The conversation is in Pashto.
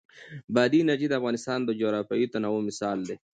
بادي انرژي د افغانستان د جغرافیوي تنوع مثال دی.